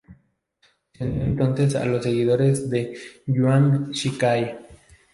Se unió entonces a los seguidores de Yuan Shikai.